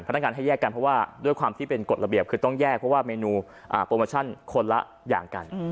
พนักงานให้แยกกันเพราะว่าด้วยความที่เป็นกฎระเบียบคือต้องแยกเพราะว่าเมนูโปรโมชั่นคนละอย่างกัน